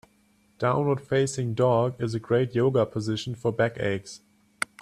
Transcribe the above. Downward facing dog is a great Yoga position for back aches.